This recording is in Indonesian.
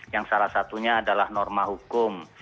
yang salah satunya adalah norma hukum